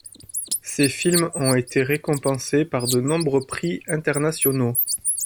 Ces films ont été récompensés par de nombreux prix internationaux.